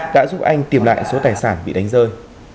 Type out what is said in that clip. đã giúp anh tìm lại số tài sản bị đánh rơi